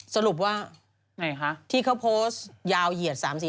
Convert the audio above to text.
สรุปว่าที่เขาโพสต์ยาวเหยียด๓๔อัน